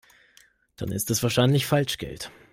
Dann ist es wahrscheinlich Falschgeld.